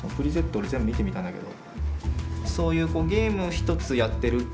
俺全部見てみたんだけど。